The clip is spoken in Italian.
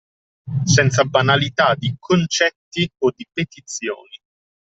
Senza banalità di concetti o di petizioni